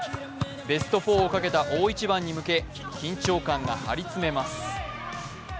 ベスト４をかけた大一番に向け緊張感が張り詰めます。